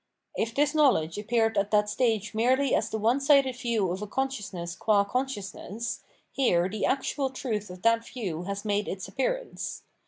If this knowledge appeared at that stage merely as the one sided view of a consciousness qua consciousness, here the actual truth of that view has made its appearance.